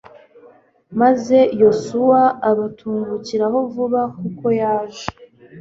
maze yosuwa abatungukiraho vuba kuko yaje